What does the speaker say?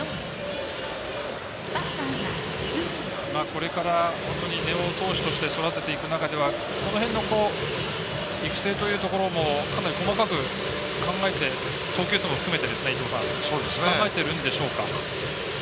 これから根尾を投手として育てていく中ではこの辺の育成というところもかなり細かく、投球数も含めて考えているんでしょうか？